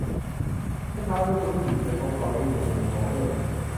เมื่อเช้านี้คุณผู้หญิง ฉันพบเขาอยู่มุมหนึ่งของเมือง